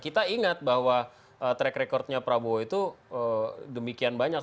kita ingat bahwa track recordnya prabowo itu demikian banyak